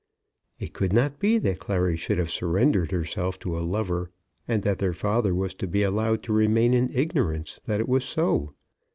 It could not be that Clary should have surrendered herself to a lover, and that their father was to be allowed to remain in ignorance that it was so!